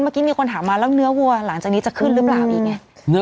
เมื่อกี้มีคนถามมาแล้วเนื้อวัวหลังจากนี้จะขึ้นหรือเปล่าอีกไง